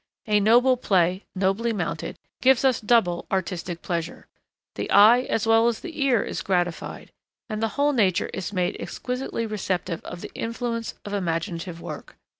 A noble play, nobly mounted, gives us double artistic pleasure. The eye as well as the ear is gratified, and the whole nature is made exquisitely receptive of the influence of imaginative work.